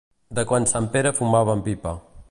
De quan sant Pere fumava amb pipa.